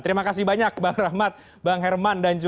terima kasih banyak bang rahmat bang herman dan juga bang adi prahito